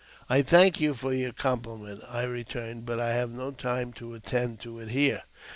1 "I thank you for your compliment," I returned; "but I have no time to attend to it here."